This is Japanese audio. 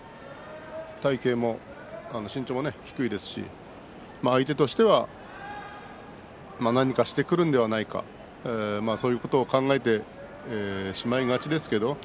身長も低いですし相手としては何かしてくるんではないかということを考えてしまいがちですからね。